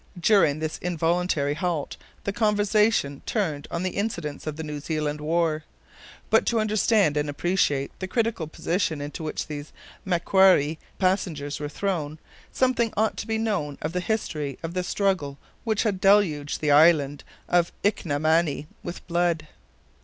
During this involuntary halt, the conversation turned on the incidents of the New Zealand war. But to understand and appreciate the critical position into which these MACQUARIE passengers were thrown, something ought to be known of the history of the struggle which had deluged the island of Ika na Mani with blood.